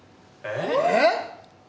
えっ！？